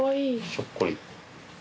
ひょっこり。